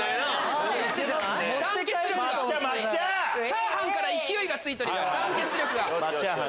チャーハンから勢いがついてます団結力が。